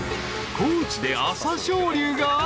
［高知で朝青龍が］